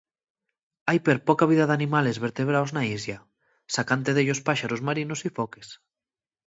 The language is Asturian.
Hai perpoca vida d'animales vertebraos na islla, sacante dellos páxaros marinos y foques.